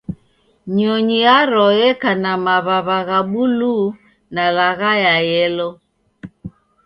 Nyonyi yaro yeka na maw'aw'a gha buluu na lagha ya yelo